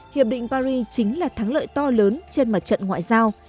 hiệp định paris chính là thắng lợi to lớn trên mặt trận ngoại giao